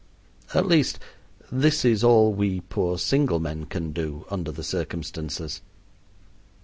At least, this is all we poor single men can do under the circumstances.